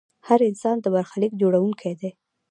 هر انسان د برخلیک جوړونکی دی.